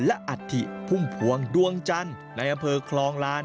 และอัฐิพุ่มพวงดวงจันทร์